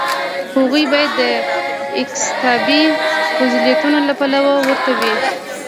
هغوی باید د اکتسابي فضیلتونو له پلوه ورته وي.